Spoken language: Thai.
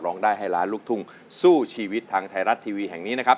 ร้องได้ให้ล้านลูกทุ่งสู้ชีวิตทางไทยรัฐทีวีแห่งนี้นะครับ